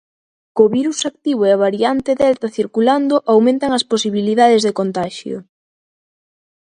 Co virus activo e a variante delta circulando aumentan as posibilidades de contaxio.